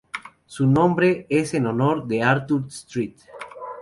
Su nombre es en honor de Arthur St.